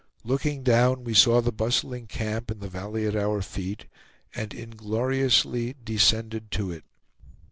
Looking down, we saw the bustling camp in the valley at our feet, and ingloriously descended to it.